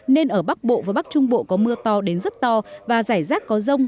nên ở bắc bộ và bắc trung bộ có mưa to đến rất to và rải rác có rông